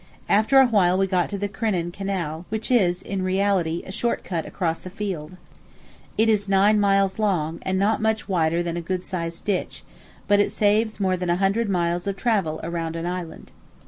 After a while we got to the Crinan Canal, which is in reality a short cut across the field. It is nine miles long and not much wider than a good sized ditch, but it saves more than a hundred miles of travel around an island.